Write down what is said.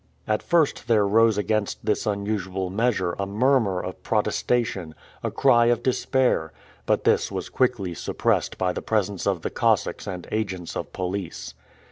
At first there rose against this unusual measure a murmur of protestation, a cry of despair, but this was quickly suppressed by the presence of the Cossacks and agents of police.